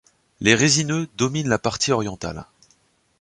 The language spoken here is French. Les résineux dominent la partie orientale.